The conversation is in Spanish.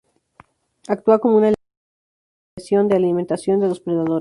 Actúa como un elemento de disuasión de alimentación de los predadores.